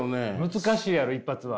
難しいやろ一発は。